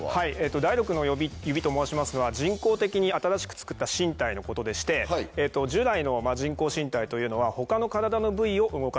第６の指と申しますのは人工的に新しくつくった身体のことで従来の人工身体というのは他の体の部位を動かす。